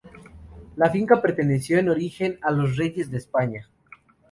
La finca perteneció en origen a los reyes de España.